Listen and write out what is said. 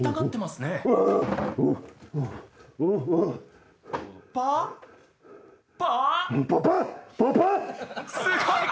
・すごい！